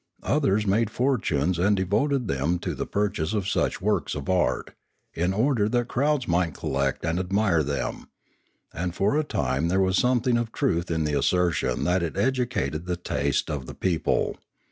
Others made fortunes and devoted them to the purchase of such works of art, in order that crowds might collect and admire them, and for a time there was something of truth in the assertion that it educated the taste of the people.